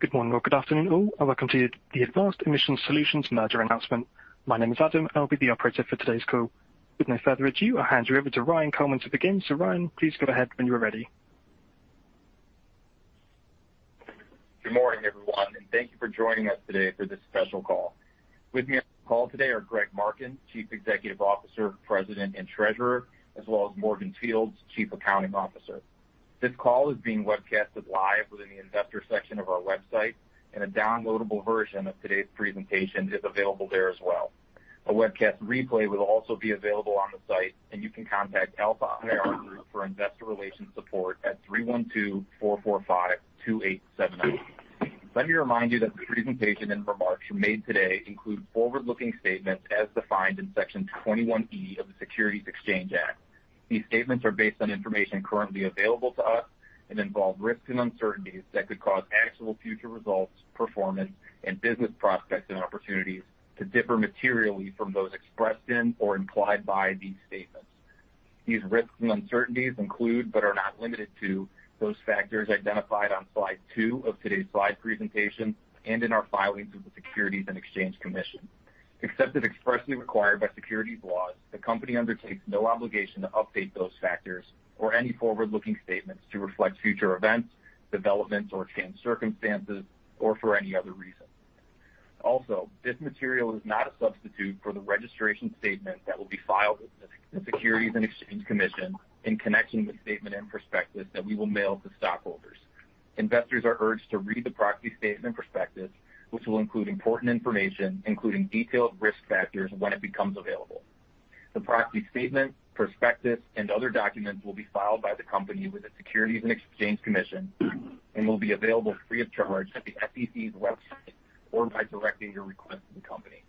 Good morning or good afternoon all, and welcome to the Advanced Emissions Solutions Merger Announcement. My name is Adam, and I'll be the operator for today's call. With no further ado, I'll hand you over to Ryan Coleman to begin. Ryan, please go ahead when you are ready. Good morning, everyone, and thank you for joining us today for this special call. With me on the call today are Greg Marken, Chief Executive Officer, President, and Treasurer, as well as Morgan Fields, Chief Accounting Officer. This call is being webcasted live within the investor section of our website, and a downloadable version of today's presentation is available there as well. A webcast replay will also be available on the site, and you can contact Alpha IR Group for investor relations support at 312-445-2879. Let me remind you that the presentation and remarks made today include forward-looking statements as defined in Section 21E of the Securities Exchange Act. These statements are based on information currently available to us, and involve risks and uncertainties that could cause actual future results, performance, and business prospects and opportunities to differ materially from those expressed in or implied by these statements. These risks and uncertainties include, but are not limited to, those factors identified on slide two of today's slide presentation, and in our filings with the Securities and Exchange Commission. Except if expressly required by securities laws, the company undertakes no obligation to update those factors or any forward-looking statements to reflect future events, developments or changed circumstances or for any other reason. Also, this material is not a substitute for the registration statement that will be filed with the Securities and Exchange Commission in connection with the statement and prospectus that we will mail to stockholders. Investors are urged to read the proxy statement prospectus, which will include important information, including detailed risk factors when it becomes available. The proxy statement, prospectus, and other documents will be filed by the company with the Securities and Exchange Commission, and will be available free of charge at the SEC's website or by directing your request to the company.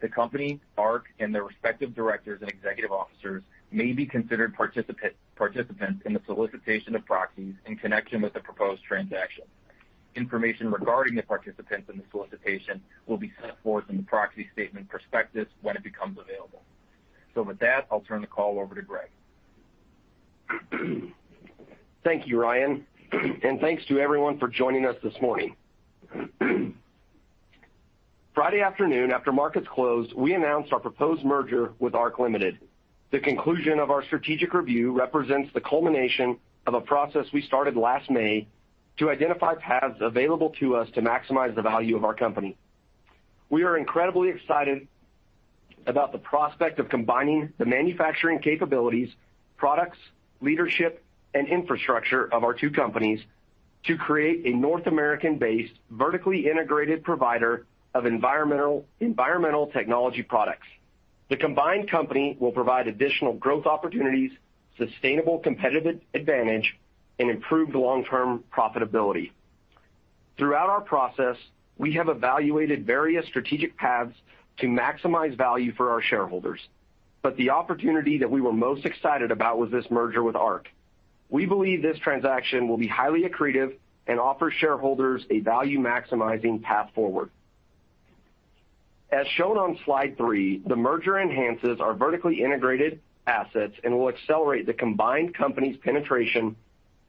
The company, Arq, and their respective directors and executive officers may be considered participants in the solicitation of proxies in connection with the proposed transaction. Information regarding the participants in the solicitation will be set forth in the proxy statement prospectus when it becomes available. With that, I'll turn the call over to Greg. Thank you, Ryan. Thanks to everyone for joining us this morning. Friday afternoon, after markets closed, we announced our proposed merger with Arq Limited. The conclusion of our strategic review represents the culmination of a process we started last May, to identify paths available to us to maximize the value of our company. We are incredibly excited about the prospect of combining the manufacturing capabilities, products, leadership, and infrastructure of our two companies to create a North American-based, vertically integrated provider of environmental technology products. The combined company will provide additional growth opportunities, sustainable competitive advantage, and improved long-term profitability. Throughout our process, we have evaluated various strategic paths to maximize value for our shareholders. The opportunity that we were most excited about was this merger with Arq. We believe this transaction will be highly accretive and offer shareholders a value-maximizing path forward. As shown on slide three, the merger enhances our vertically integrated assets and will accelerate the combined company's penetration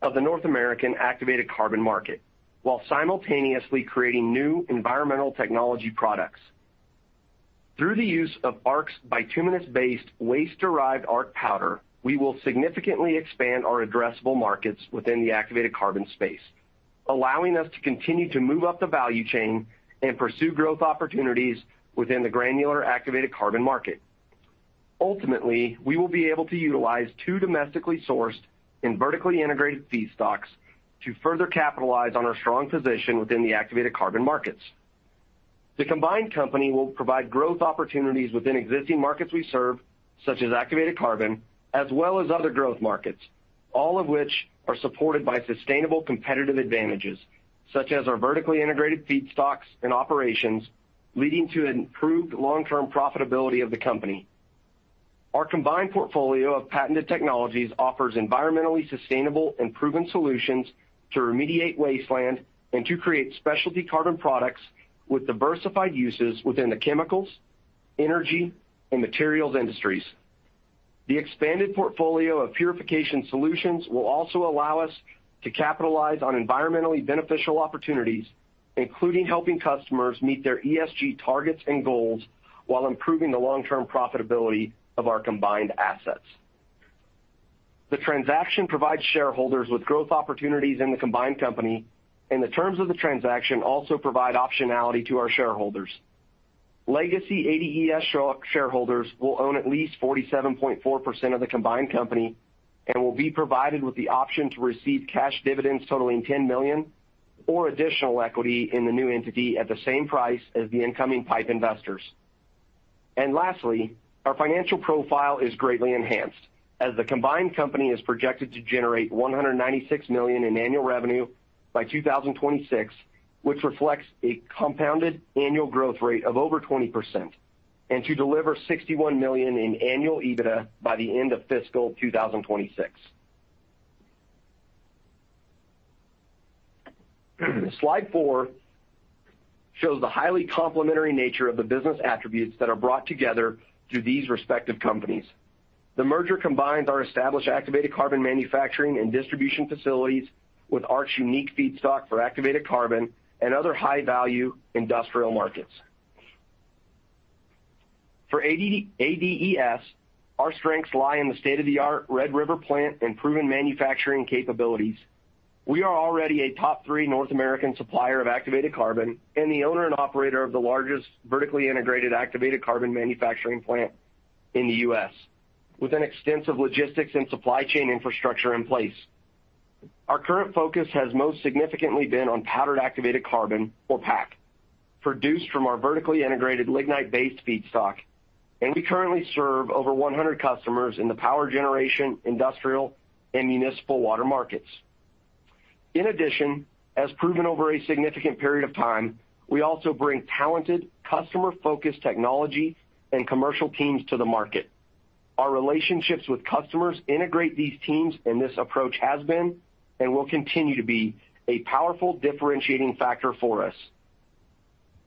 of the North American activated carbon market while simultaneously creating new environmental technology products. Through the use of Arq's bituminous-based waste-derived Arq Powder, we will significantly expand our addressable markets within the activated carbon space, allowing us to continue to move up the value chain and pursue growth opportunities within the granular activated carbon market. Ultimately, we will be able to utilize two domestically sourced, and vertically integrated feedstocks to further capitalize on our strong position within the activated carbon markets. The combined company will provide growth opportunities within existing markets we serve, such as activated carbon, as well as other growth markets, all of which are supported by sustainable competitive advantages, such as our vertically integrated feedstocks and operations, leading to improved long-term profitability of the company. Our combined portfolio of patented technologies offers environmentally sustainable and proven solutions to remediate wasteland and to create specialty carbon products with diversified uses within the chemicals, energy, and materials industries. The expanded portfolio of purification solutions will also allow us to capitalize on environmentally beneficial opportunities, including helping customers meet their ESG targets and goals while improving the long-term profitability of our combined assets. The transaction provides shareholders with growth opportunities in the combined company, and the terms of the transaction also provide optionality to our shareholders. Legacy ADES shareholders will own at least 47.4% of the combined company, and will be provided with the option to receive cash dividends totaling $10 million, or additional equity in the new entity at the same price as the incoming PIPE investors. Our financial profile is greatly enhanced as the combined company is projected to generate $196 million in annual revenue by 2026, which reflects a compounded annual growth rate of over 20%, and to deliver $61 million in annual EBITDA by the end of fiscal 2026. Slide four shows the highly complementary nature of the business attributes that are brought together through these respective companies. The merger combines our established activated carbon manufacturing and distribution facilities with Arq's unique feedstock for activated carbon and other high-value industrial markets. For ADES, our strengths lie in the state-of-the-art Red River plant and proven manufacturing capabilities. We are already a top three North American supplier of activated carbon and the owner and operator of the largest vertically integrated activated carbon manufacturing plant in the U.S., with an extensive logistics and supply chain infrastructure in place. Our current focus has most significantly been on powdered activated carbon, or PAC, produced from our vertically integrated lignite-based feedstock, and we currently serve over 100 customers in the power generation, industrial, and municipal water markets. In addition, as proven over a significant period of time, we also bring talented, customer-focused technology and commercial teams to the market. Our relationships with customers integrate these teams, and this approach has been and will continue to be a powerful differentiating factor for us.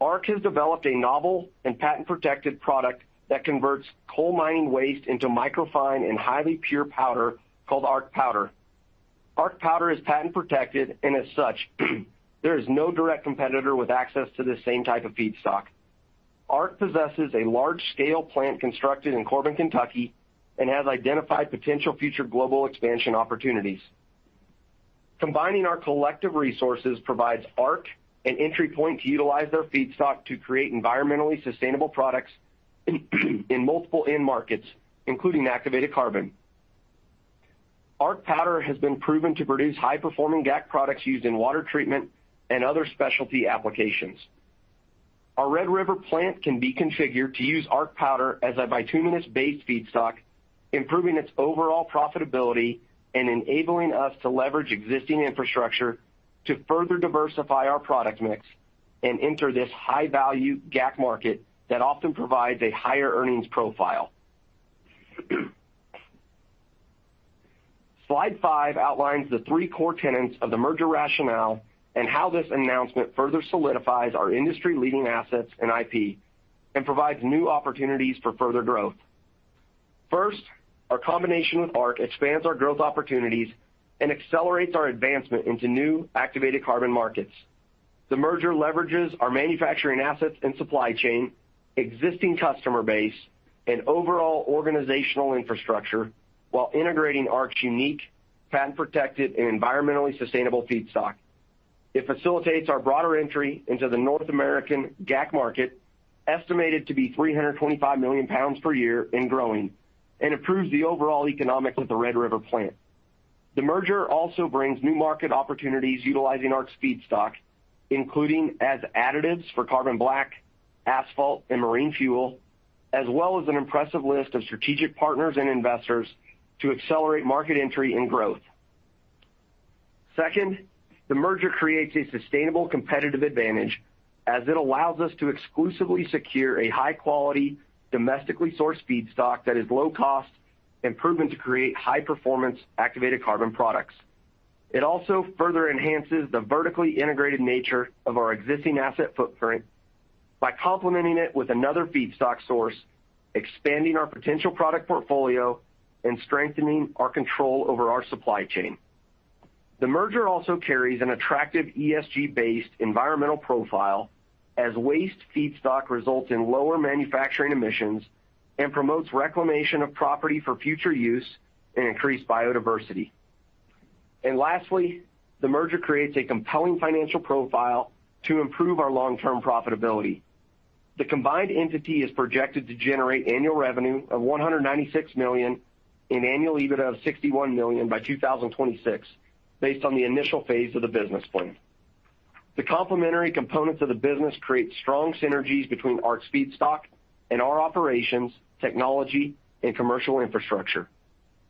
Arq has developed a novel and patent-protected product that converts coal mining waste into microfine and highly pure powder called Arq Powder. Arq Powder is patent-protected, and as such, there is no direct competitor with access to the same type of feedstock. Arq possesses a large-scale plant constructed in Corbin, Kentucky, and has identified potential future global expansion opportunities. Combining our collective resources provides Arq an entry point to utilize their feedstock to create environmentally sustainable products in multiple end markets, including activated carbon. Arq Powder has been proven to produce high-performing GAC products used in water treatment and other specialty applications. Our Red River plant can be configured to use Arq Powder as a bituminous-based feedstock, improving its overall profitability and enabling us to leverage existing infrastructure to further diversify our product mix, and enter this high-value GAC market that often provides a higher earnings profile. Slide five outlines the three core tenets of the merger rationale and how this announcement further solidifies our industry-leading assets and IP and provides new opportunities for further growth. First, our combination with Arq expands our growth opportunities and accelerates our advancement into new activated carbon markets. The merger leverages our manufacturing assets and supply chain, existing customer base, and overall organizational infrastructure while integrating Arq's unique, patent-protected, and environmentally sustainable feedstock. It facilitates our broader entry into the North American GAC market, estimated to be 325 million pounds per year and growing, and improves the overall economics of the Red River plant. The merger also brings new market opportunities utilizing Arq's feedstock, including as additives for carbon black, asphalt, and marine fuel, as well as an impressive list of strategic partners and investors to accelerate market entry and growth. Second, the merger creates a sustainable competitive advantage as it allows us to exclusively secure a high-quality, domestically sourced feedstock that is low cost and proven to create high-performance activated carbon products. It also further enhances the vertically integrated nature of our existing asset footprint by complementing it with another feedstock source, expanding our potential product portfolio, and strengthening our control over our supply chain. The merger also carries an attractive ESG-based environmental profile as waste feedstock results in lower manufacturing emissions and promotes reclamation of property for future use and increased biodiversity. Lastly, the merger creates a compelling financial profile to improve our long-term profitability. The combined entity is projected to generate annual revenue of $196 million and annual EBITDA of $61 million by 2026 based on the initial phase of the business plan. The complementary components of the business create strong synergies between Arq's feedstock and our operations, technology, and commercial infrastructure.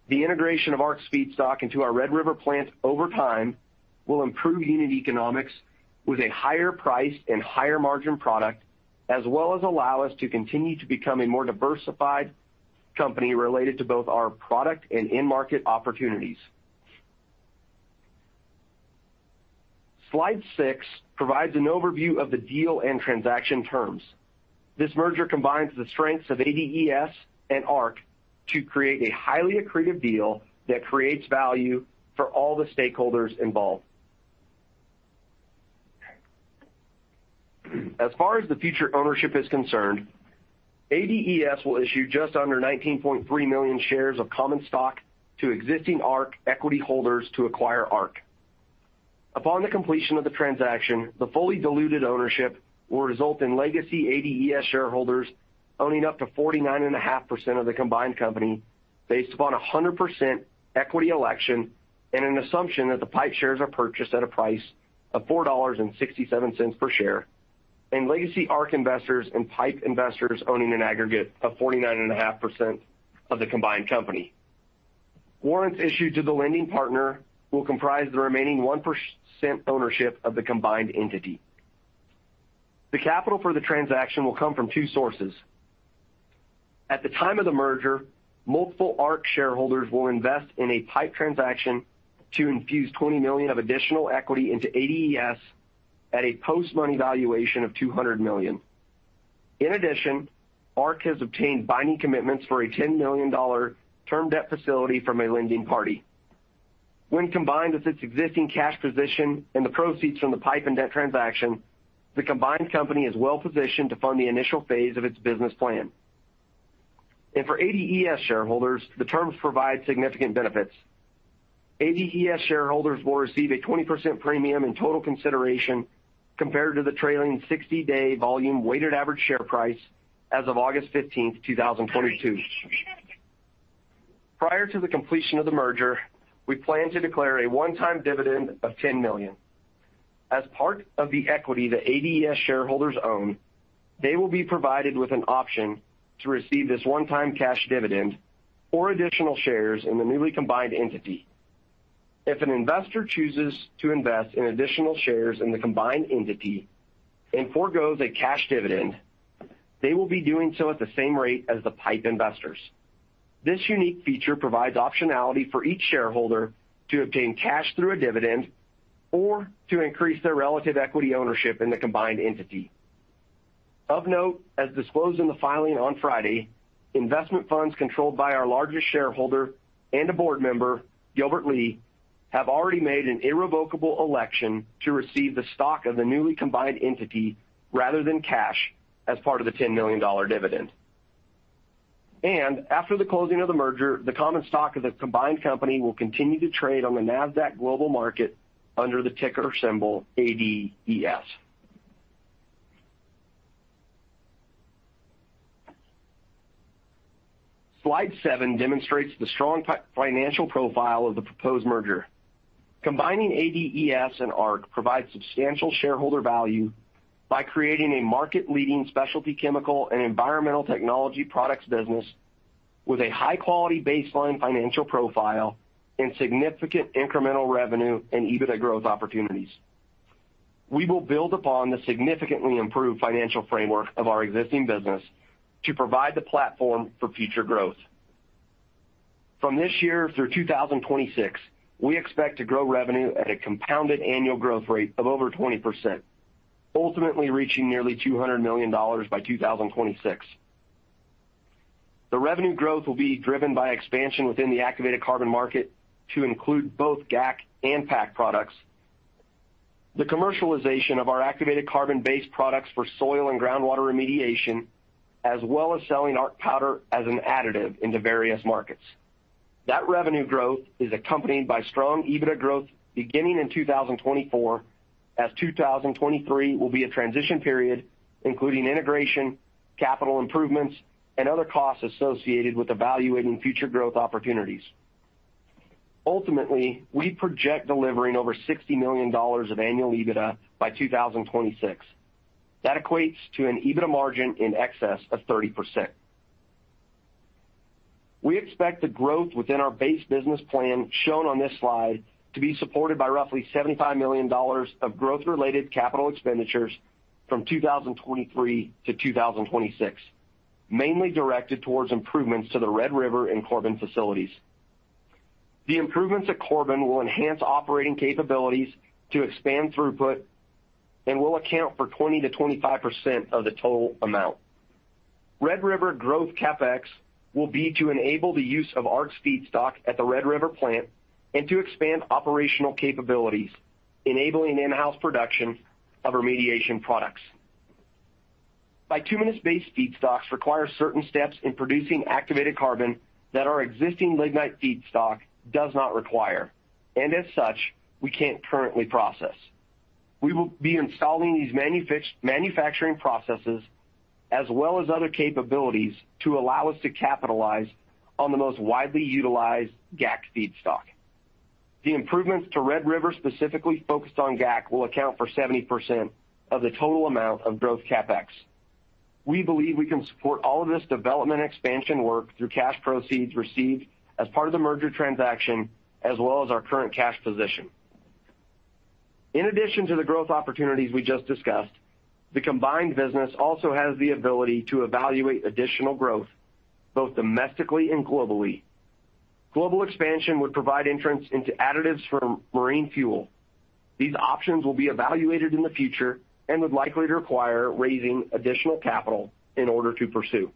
The integration of Arq's feedstock into our Red River plant over time will improve unit economics with a higher price and higher margin product as well as allow us to continue to become a more diversified company related to both our product and end market opportunities. Slide six provides an overview of the deal and transaction terms. This merger combines the strengths of ADES and Arq to create a highly accretive deal that creates value for all the stakeholders involved. As far as the future ownership is concerned, ADES will issue just under 19.3 million shares of common stock to existing Arq equity holders to acquire Arq. Upon the completion of the transaction, the fully diluted ownership will result in legacy ADES shareholders owning up to 49.5% of the combined company based upon a 100% equity election and an assumption that the PIPE shares are purchased at a price of $4.67 per share, and legacy Arq investors and PIPE investors owning an aggregate of 49.5% of the combined company. Warrants issued to the lending partner will comprise the remaining 1% ownership of the combined entity. The capital for the transaction will come from two sources. At the time of the merger, multiple Arq shareholders will invest in a PIPE transaction to infuse $20 million of additional equity into ADES at a post-money valuation of $200 million. In addition, Arq has obtained binding commitments for a $10 million term debt facility from a lending party. When combined with its existing cash position and the proceeds from the PIPE and debt transaction, the combined company is well-positioned to fund the initial phase of its business plan. For ADES shareholders, the terms provide significant benefits. ADES shareholders will receive a 20% premium in total consideration compared to the trailing 60-day volume weighted average share price as of August 15th, 2022. Prior to the completion of the merger, we plan to declare a one-time dividend of $10 million. As part of the equity the ADES shareholders own, they will be provided with an option to receive this one-time cash dividend or additional shares in the newly combined entity. If an investor chooses to invest in additional shares in the combined entity and forgoes a cash dividend, they will be doing so at the same rate as the PIPE investors. This unique feature provides optionality for each shareholder to obtain cash through a dividend or to increase their relative equity ownership in the combined entity. Of note, as disclosed in the filing on Friday, investment funds controlled by our largest shareholder and a board member, Gilbert Li, have already made an irrevocable election to receive the stock of the newly combined entity rather than cash as part of the $10 million dividend. After the closing of the merger, the common stock of the combined company will continue to trade on the Nasdaq Global Market under the ticker symbol ADES. Slide seven demonstrates the strong financial profile of the proposed merger. Combining ADES and Arq provides substantial shareholder value by creating a market-leading specialty chemical and environmental technology products business with a high-quality baseline financial profile and significant incremental revenue and EBITDA growth opportunities. We will build upon the significantly improved financial framework of our existing business to provide the platform for future growth. From this year through 2026, we expect to grow revenue at a compounded annual growth rate of over 20%, ultimately reaching nearly $200 million by 2026. The revenue growth will be driven by expansion within the activated carbon market to include both GAC and PAC products. The commercialization of our activated carbon-based products for soil and groundwater remediation, as well as selling Arq Powder as an additive into various markets. That revenue growth is accompanied by strong EBITDA growth beginning in 2024, as 2023 will be a transition period, including integration, capital improvements, and other costs associated with evaluating future growth opportunities. Ultimately, we project delivering over $60 million of annual EBITDA by 2026. That equates to an EBITDA margin in excess of 30%. We expect the growth within our base business plan shown on this slide to be supported by roughly $75 million of growth-related capital expenditures from 2023 to 2026, mainly directed towards improvements to the Red River and Corbin facilities. The improvements at Corbin will enhance operating capabilities to expand throughput and will account for 20%-25% of the total amount. Red River growth CapEx will be to enable the use of Arq's feedstock at the Red River plant and to expand operational capabilities, enabling in-house production of remediation products. Bituminous-based feedstocks require certain steps in producing activated carbon that our existing lignite feedstock does not require, and as such, we can't currently process. We will be installing these manufacturing processes as well as other capabilities to allow us to capitalize on the most widely utilized GAC feedstock. The improvements to Red River specifically focused on GAC will account for 70% of the total amount of growth CapEx. We believe we can support all of this development expansion work through cash proceeds received as part of the merger transaction as well as our current cash position. In addition to the growth opportunities we just discussed, the combined business also has the ability to evaluate additional growth both domestically and globally. Global expansion would provide entrance into additives for marine fuel. These options will be evaluated in the future and would likely require raising additional capital in order to pursue.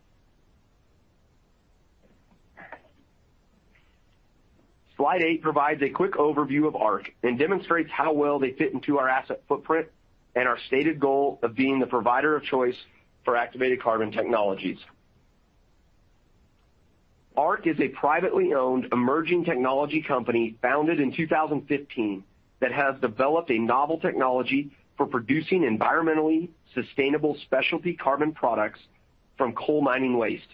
Slide eight provides a quick overview of Arq and demonstrates how well they fit into our asset footprint and our stated goal of being the provider of choice for activated carbon technologies. Arq is a privately owned emerging technology company founded in 2015 that has developed a novel technology for producing environmentally sustainable specialty carbon products from coal mining waste.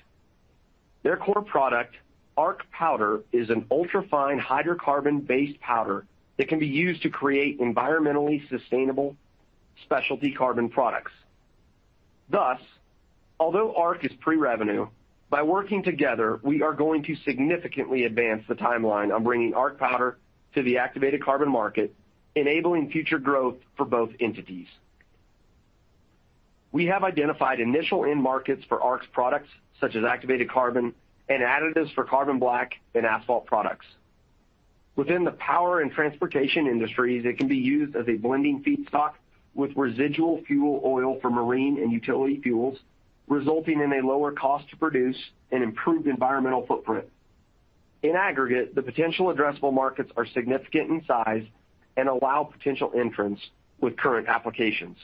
Their core product, Arq Powder, is an ultra-fine hydrocarbon-based powder that can be used to create environmentally sustainable specialty carbon products. Thus, although Arq is pre-revenue, by working together, we are going to significantly advance the timeline on bringing Arq Powder to the activated carbon market, enabling future growth for both entities. We have identified initial end markets for Arq's products, such as activated carbon and additives for carbon black and asphalt products. Within the power and transportation industries, it can be used as a blending feedstock with residual fuel oil for marine and utility fuels, resulting in a lower cost to produce an improved environmental footprint. In aggregate, the potential addressable markets are significant in size and allow potential entrants with current applications.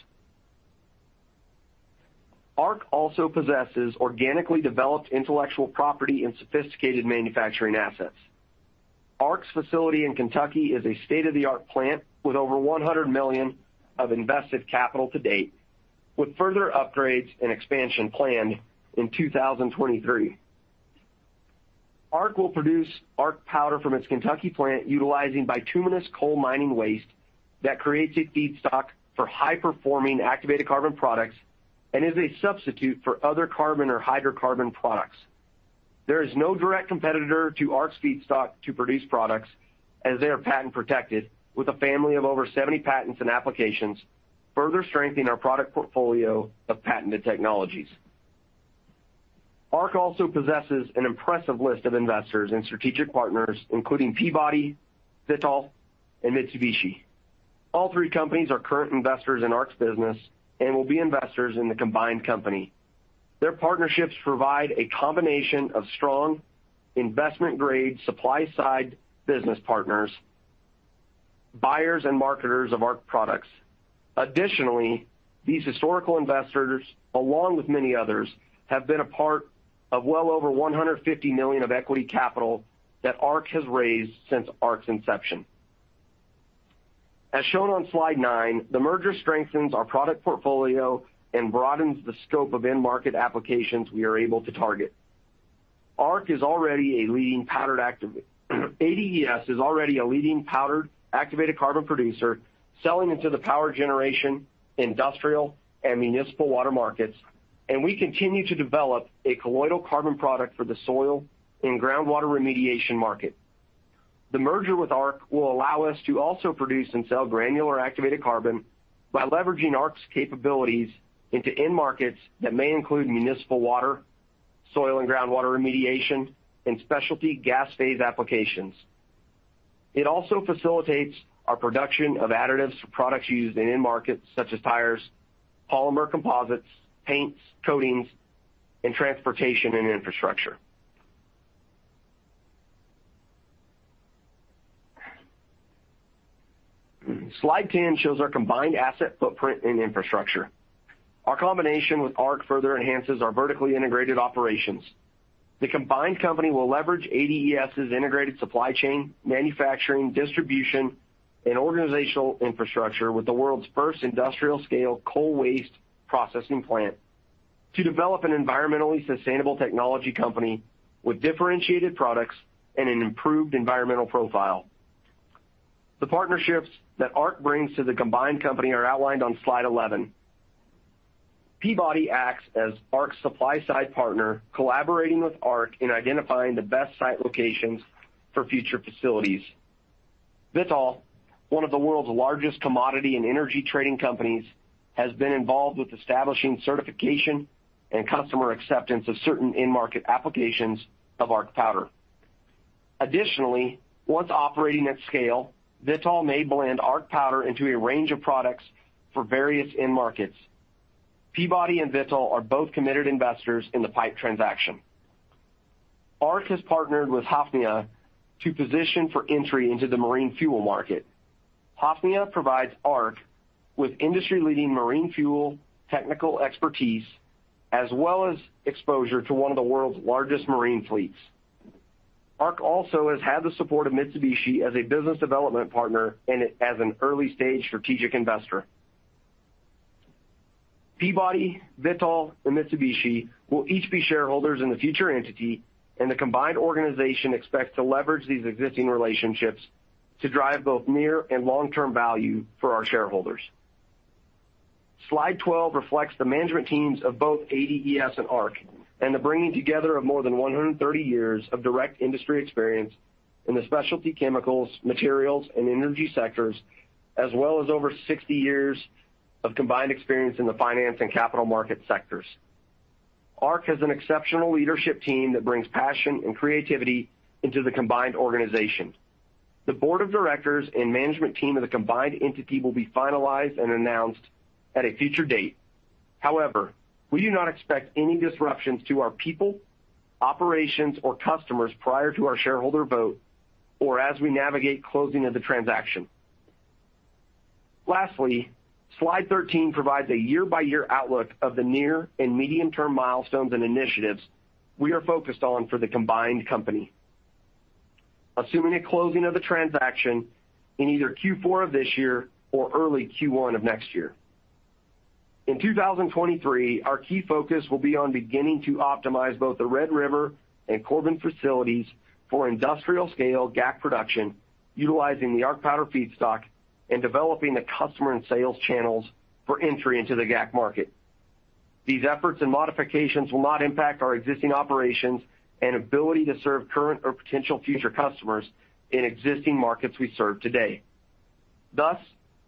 Arq also possesses organically developed intellectual property and sophisticated manufacturing assets. Arq's facility in Kentucky is a state-of-the-art plant with over $100 million of invested capital to date, with further upgrades and expansion planned in 2023. Arq will produce Arq Powder from its Kentucky plant utilizing bituminous coal mining waste that creates a feedstock for high-performing activated carbon products and is a substitute for other carbon or hydrocarbon products. There is no direct competitor to Arq's feedstock to produce products as they are patent-protected with a family of over 70 patents and applications, further strengthening our product portfolio of patented technologies. Arq also possesses an impressive list of investors and strategic partners, including Peabody, Vitol, and Mitsubishi. All three companies are current investors in Arq's business and will be investors in the combined company. Their partnerships provide a combination of strong investment-grade supply-side business partners, buyers, and marketers of Arq products. Additionally, these historical investors, along with many others, have been a part of well over $150 million of equity capital that Arq has raised since Arq's inception. As shown on slide nine, the merger strengthens our product portfolio and broadens the scope of end market applications we are able to target. ADES is already a leading powdered activated carbon producer selling into the power generation, industrial, and municipal water markets. We continue to develop a colloidal carbon product for the soil and groundwater remediation market. The merger with Arq will allow us to also produce and sell granular activated carbon by leveraging Arq's capabilities into end markets that may include municipal water, soil and groundwater remediation, and specialty gas phase applications. It also facilitates our production of additives for products used in end markets such as tires, polymer composites, paints, coatings, and transportation and infrastructure. Slide 10 shows our combined asset footprint and infrastructure. Our combination with Arq further enhances our vertically integrated operations. The combined company will leverage ADES' integrated supply chain, manufacturing, distribution, and organizational infrastructure with the world's first industrial-scale coal waste processing plant to develop an environmentally sustainable technology company with differentiated products and an improved environmental profile. The partnerships that Arq brings to the combined company are outlined on slide 11. Peabody acts as Arq's supply-side partner, collaborating with Arq in identifying the best site locations for future facilities. Vitol, one of the world's largest commodity and energy trading companies, has been involved with establishing certification and customer acceptance of certain end-market applications of Arq powder. Additionally, once operating at scale, Vitol may blend Arq powder into a range of products for various end markets. Peabody and Vitol are both committed investors in the PIPE transaction. Arq has partnered with Hafnia to position for entry into the marine fuel market. Hafnia provides Arq with industry-leading marine fuel technical expertise, as well as exposure to one of the world's largest marine fleets. Arq also has had the support of Mitsubishi as a business development partner and as an early-stage strategic investor. Peabody, Vitol, and Mitsubishi will each be shareholders in the future entity, and the combined organization expects to leverage these existing relationships to drive both near and long-term value for our shareholders. Slide 12 reflects the management teams of both ADES and Arq, and the bringing together of more than 130 years of direct industry experience in the specialty chemicals, materials, and energy sectors, as well as over 60 years of combined experience in the finance and capital market sectors. Arq has an exceptional leadership team that brings passion and creativity into the combined organization. The board of directors and management team of the combined entity will be finalized and announced at a future date. However, we do not expect any disruptions to our people, operations, or customers prior to our shareholder vote or as we navigate closing of the transaction. Lastly, slide 13 provides a year-by-year outlook of the near and medium-term milestones and initiatives we are focused on for the combined company. Assuming a closing of the transaction in either Q4 of this year or early Q1 of next year. In 2023, our key focus will be on beginning to optimize both the Red River and Corbin facilities, for industrial-scale GAC production utilizing the Arq Powder feedstock, and developing the customer and sales channels for entry into the GAC market. These efforts and modifications will not impact our existing operations and ability to serve current or potential future customers in existing markets we serve today. Thus,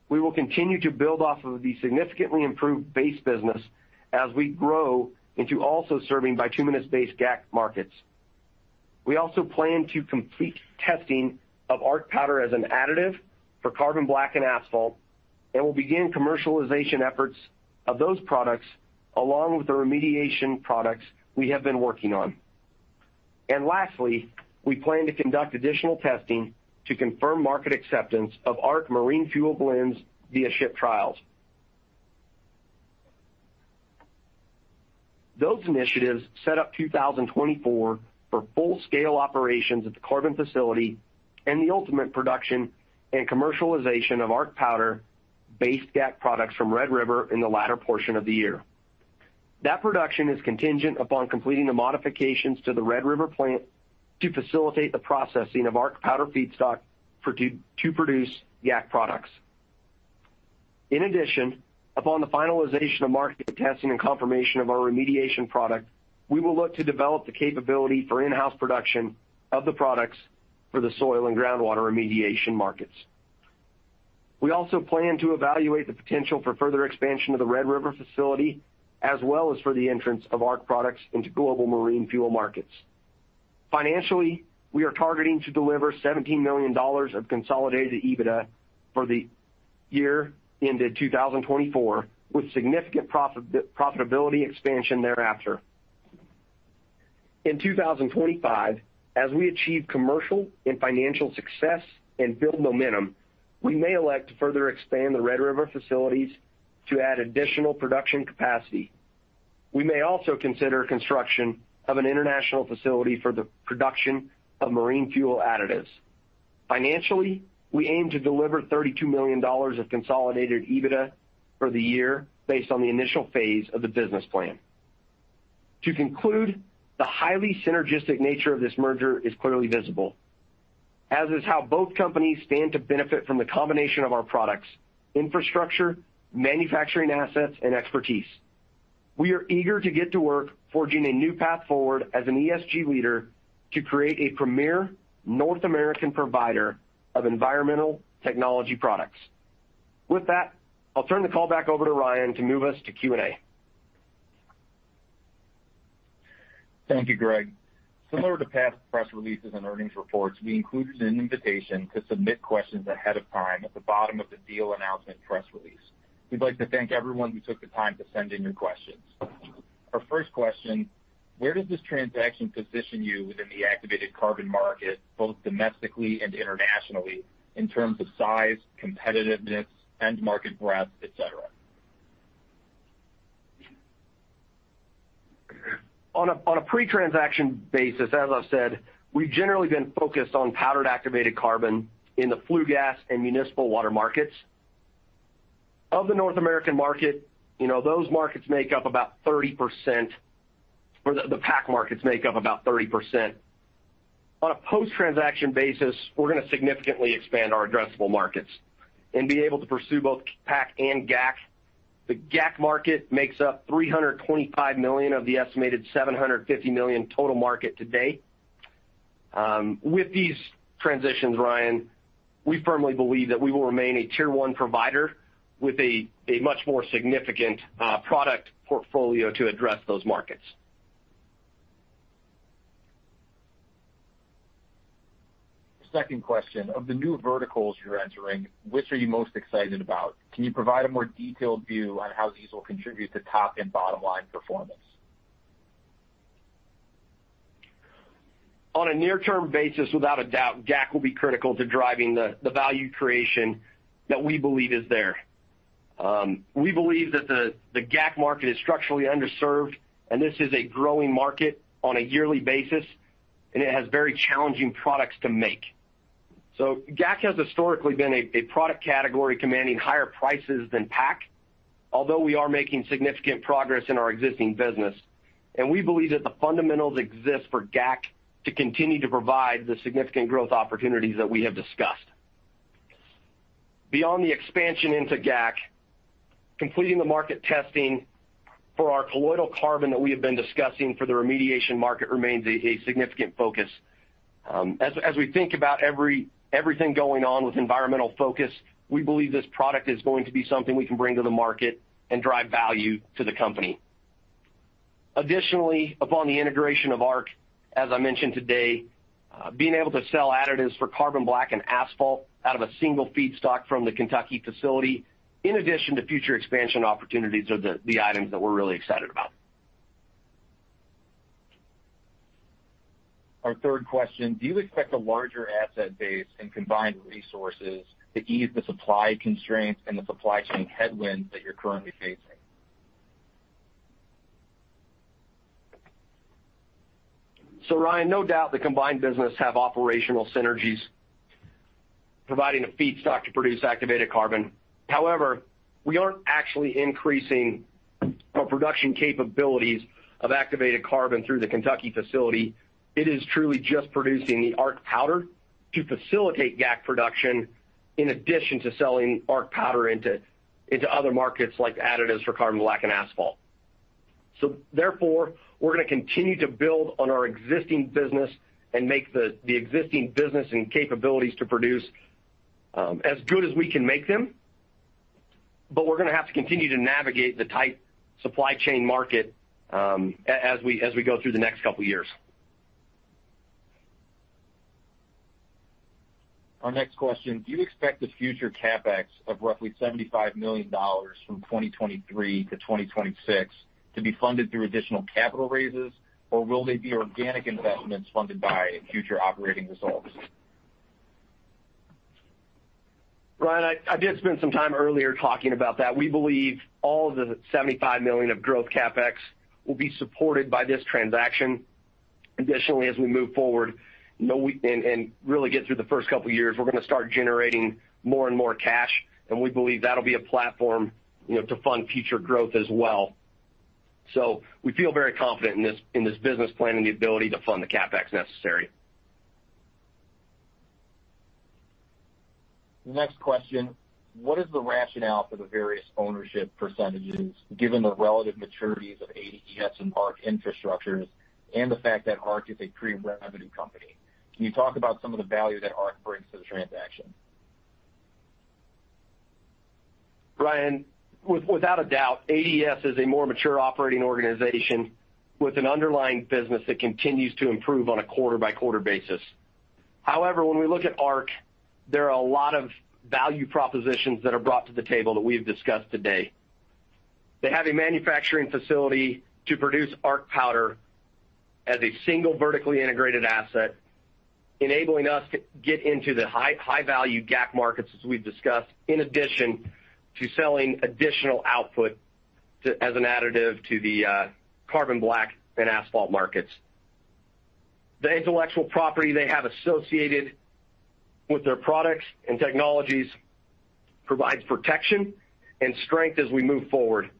we will continue to build off of the significantly improved base business as we grow into also serving bituminous-based GAC markets. We also plan to complete testing of Arq Powder as an additive for carbon black and asphalt, and we'll begin commercialization efforts of those products along with the remediation products we have been working on. Lastly, we plan to conduct additional testing to confirm market acceptance of Arq marine fuel blends via ship trials. Those initiatives set up 2024 for full-scale operations at the carbon facility and the ultimate production and commercialization of Arq powder-based GAC products from Red River in the latter portion of the year. That production is contingent upon completing the modifications to the Red River plant to facilitate the processing of Arq powder feedstock to produce GAC products. In addition, upon the finalization of market testing and confirmation of our remediation product, we will look to develop the capability for in-house production of the products for the soil and groundwater remediation markets. We also plan to evaluate the potential for further expansion of the Red River facility, as well as for the entrance of Arq products into global marine fuel markets. Financially, we are targeting to deliver $17 million of consolidated EBITDA for the year into 2024, with significant profitability expansion thereafter. In 2025, as we achieve commercial and financial success and build momentum, we may elect to further expand the Red River facilities to add additional production capacity. We may also consider construction of an international facility for the production of marine fuel additives. Financially, we aim to deliver $32 million of consolidated EBITDA for the year based on the initial phase of the business plan. To conclude, the highly synergistic nature of this merger is clearly visible, as is how both companies stand to benefit from the combination of our products, infrastructure, manufacturing assets, and expertise. We are eager to get to work forging a new path forward as an ESG leader to create a premier North American provider of environmental technology products. With that, I'll turn the call back over to Ryan to move us to Q&A. Thank you, Greg. Similar to past press releases and earnings reports, we included an invitation to submit questions ahead of time at the bottom of the deal announcement press release. We'd like to thank everyone who took the time to send in your questions. Our first question. Where does this transaction position you within the activated carbon market, both domestically and internationally, in terms of size, competitiveness, end market breadth, et cetera? On a pre-transaction basis, as I've said, we've generally been focused on powdered activated carbon in the flue gas and municipal water markets. Of the North American market, you know, those markets make up about 30%, or the PAC markets make up about 30%. On a post-transaction basis, we're going to significantly expand our addressable markets and be able to pursue both PAC and GAC. The GAC market makes up $325 million of the estimated $750 million total market today. With these transitions, Ryan, we firmly believe that we will remain a tier-one provider with a much more significant product portfolio to address those markets. Second question. Of the new verticals you're entering, which are you most excited about? Can you provide a more detailed view on how these will contribute to top and bottom line performance? On a near-term basis, without a doubt, GAC will be critical to driving the value creation that we believe is there. We believe that the GAC market is structurally underserved, and this is a growing market on a yearly basis, and it has very challenging products to make. GAC has historically been a product category commanding higher prices than PAC, although we are making significant progress in our existing business. We believe that the fundamentals exist for GAC to continue to provide the significant growth opportunities that we have discussed. Beyond the expansion into GAC, completing the market testing for our colloidal carbon that we have been discussing for the remediation market remains a significant focus. As we think about everything going on with environmental focus, we believe this product is going to be something we can bring to the market and drive value to the company. Additionally, upon the integration of Arq, as I mentioned today, being able to sell additives for carbon black and asphalt out of a single feedstock from the Kentucky facility, in addition to future expansion opportunities are the items that we're really excited about. Our third question. Do you expect a larger asset base and combined resources to ease the supply constraints and the supply chain headwinds that you're currently facing? Ryan, no doubt the combined business have operational synergies providing a feedstock to produce activated carbon. However, we aren't actually increasing our production capabilities of activated carbon through the Kentucky facility. It is truly just producing the Arq Powder to facilitate GAC production. In addition to selling Arq Powder into other markets like additives for carbon black and asphalt. Therefore, we're going to continue to build on our existing business and make the existing business and capabilities to produce as good as we can make them. We're going to have to continue to navigate the tight supply chain market, as we go through the next couple years. Our next question, do you expect the future CapEx of roughly $75 million from 2023 to 2026 to be funded through additional capital raises, or will they be organic investments funded by future operating results? Ryan, I did spend some time earlier talking about that. We believe all the $75 million of growth CapEx will be supported by this transaction. Additionally, as we move forward, you know, and really get through the first couple of years, we're going to start generating more and more cash, and we believe that'll be a platform, you know, to fund future growth as well. We feel very confident in this business plan and the ability to fund the CapEx necessary. Next question. What is the rationale for the various ownership percentages, given the relative maturities of ADES and Arq infrastructures and the fact that Arq is a pre-revenue company? Can you talk about some of the value that Arq brings to the transaction? Ryan, without a doubt, ADES is a more mature operating organization with an underlying business that continues to improve on a quarter-by-quarter basis. However, when we look at Arq, there are a lot of value propositions that are brought to the table that we have discussed today. They have a manufacturing facility to produce Arq Powder as a single vertically integrated asset, enabling us to get into the high, high-value GAC markets as we've discussed, in addition to selling additional output as an additive to the carbon black and asphalt markets. The intellectual property they have associated with their products and technologies provides protection and strength as we move forward.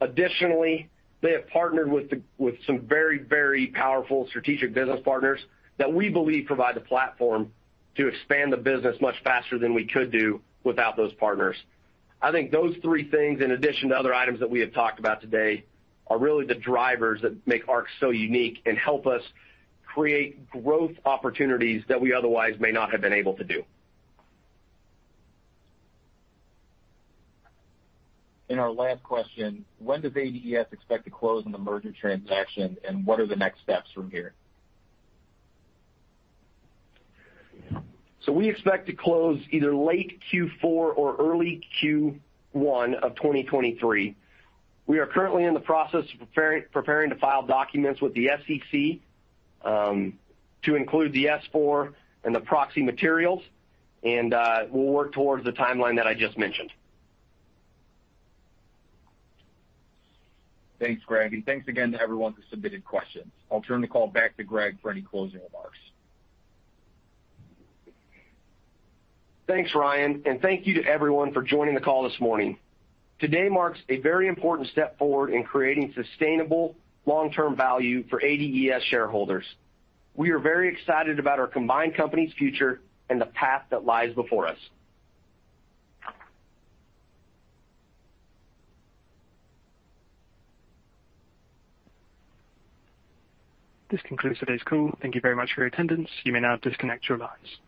Additionally, they have partnered with some very, very powerful strategic business partners that we believe provide the platform to expand the business much faster than we could do without those partners. I think those three things, in addition to other items that we have talked about today, are really the drivers that make Arq so unique and help us create growth opportunities that we otherwise may not have been able to do. Our last question, when does ADES expect to close on the merger transaction, and what are the next steps from here? We expect to close either late Q4 or early Q1 of 2023. We are currently in the process of preparing to file documents with the SEC, to include the S4 and the proxy materials, and we'll work towards the timeline that I just mentioned. Thanks, Greg, and thanks again to everyone who submitted questions. I'll turn the call back to Greg for any closing remarks. Thanks, Ryan, and thank you to everyone for joining the call this morning. Today marks a very important step forward in creating sustainable long-term value for ADES shareholders. We are very excited about our combined company's future and the path that lies before us. This concludes today's call. Thank you very much for your attendance. You may now disconnect your lines.